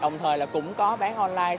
đồng thời là cũng có bán online